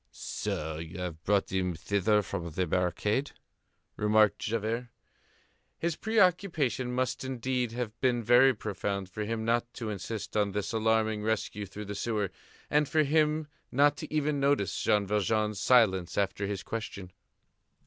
"So you have brought him thither from the barricade?" remarked Javert. His preoccupation must indeed have been very profound for him not to insist on this alarming rescue through the sewer, and for him not to even notice Jean Valjean's silence after his question.